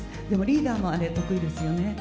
でもリーダーもあれ、得意ですよね。